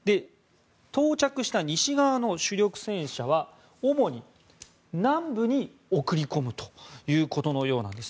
到着した西側の主力戦車は主に、南部に送り込むということのようなんです。